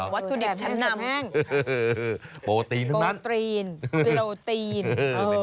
แหละมันจดแน่งโปตรีนทั้งนั้นโปตรีนโปรตีน